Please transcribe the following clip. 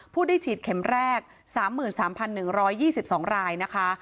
ได้ฉีดเข็มแรก๓๓๑๒๒รายนะคะ